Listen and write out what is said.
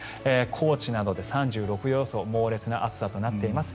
高知などで３６度予想猛烈な暑さとなっています。